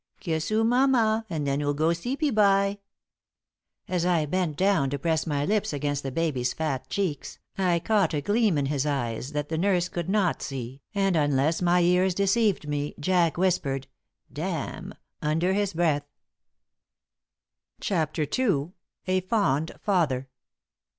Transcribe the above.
Kiss 'oo mamma, and then 'oo'll go seepy bye." As I bent down to press my lips against the baby's fat cheeks, I caught a gleam in his eyes that the nurse could not see, and, unless my ears deceived me, Jack whispered "Damn!" under his breath. *CHAPTER II.* *A FOND FATHER.